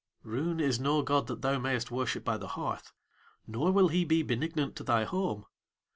Roon is no god that thou mayest worship by thy hearth, nor will he be benignant to thy home.